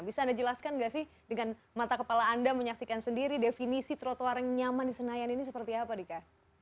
bisa anda jelaskan nggak sih dengan mata kepala anda menyaksikan sendiri definisi trotoar yang nyaman di senayan ini seperti apa dika